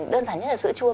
đơn giản nhất là sữa chua